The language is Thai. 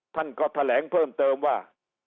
ท่านก็แถลงเพิ่มเติมว่า